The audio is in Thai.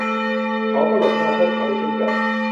เขาก็หลบหน้าพวกเขาด้วยเช่นกัน